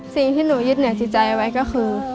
สิ่งที่หนูยึดใจไว้ก็คือ